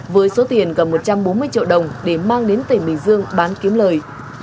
với số tiền gần một trăm bốn mươi triệu đồng để mang đến tỉnh bình dương bán kiếm lời